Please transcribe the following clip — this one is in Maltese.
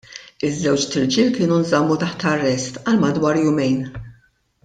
Iż-żewġt irġiel kienu nżammu taħt arrest għal madwar jumejn.